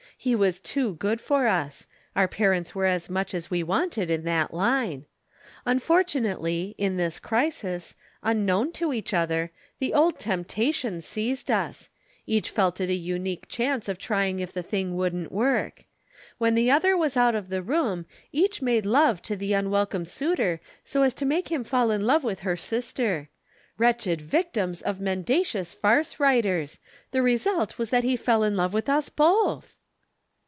He was too good for us; our parents were as much as we wanted in that line. Unfortunately, in this crisis, unknown to each other, the old temptation seized us. Each felt it a unique chance of trying if the thing wouldn't work. When the other was out of the room, each made love to the unwelcome suitor so as to make him fall in love with her sister. Wretched victims of mendacious farce writers! The result was that he fell in love with us both!"